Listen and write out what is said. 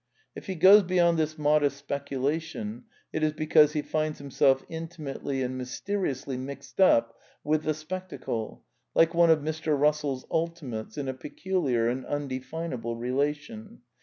If he goes beyond this modest speculation it is because he finds himself intimately and mysteriously mixed up^^ with the spectacle, like one of Mr. Eussell's ultimates, in " a ^ peculiar and imdefinable relation.''